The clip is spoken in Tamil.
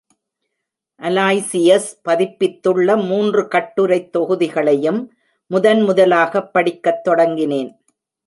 அலாய்சியஸ் பதிப்பித்துள்ள மூன்று கட்டுரைத் தொகுதிகளையும் முதன் முதலாகப் படிக்கத் தொடங்கினேன்.